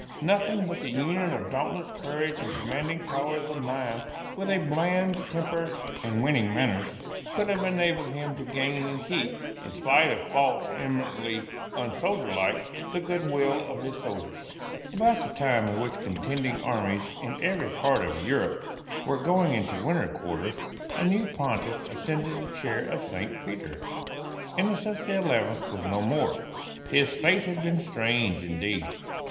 Nothing but the union of dauntless courage and commanding powers of mind with a bland temper and winning manners could have enabled him to gain and keep, in spite of faults eminently unsoldierlike, the good will of his soldiers, About the time at which the contending armies in every part of Europe were going into winter quarters, a new Pontiff ascended the chair of Saint Peter. Innocent the Eleventh was no more. His fate had been strange indeed.